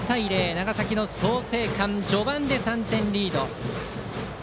長崎の創成館、序盤で３点リード。